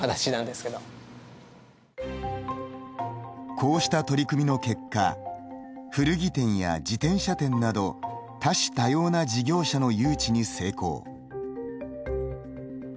こうした取り組みの結果古着店や自転車店など多種多様な事業者の誘致に成功。